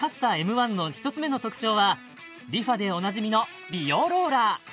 １の一つ目の特徴はＲｅＦａでおなじみの美容ローラー